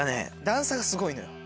段差がすごいのよ。